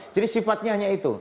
jadi sifatnya hanya itu